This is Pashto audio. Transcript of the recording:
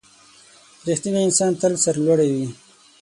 • رښتینی انسان تل سرلوړی وي.